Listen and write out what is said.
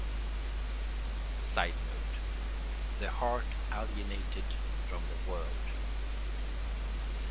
[Sidenote: The heart alienated from the world.